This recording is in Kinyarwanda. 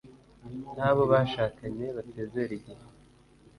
n'abo bashakanye batizera igihe